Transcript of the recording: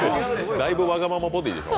だいぶわがままボディでしょ。